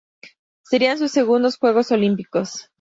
Serían sus segundos Juegos Olímpicos.